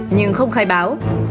nhưng không khai báo